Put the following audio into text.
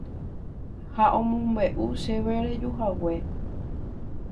ha omombe'u chéve rejuhague